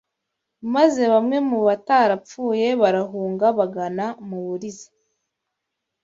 maze bamwe mu batarapfuye barahunga bagana mu Buliza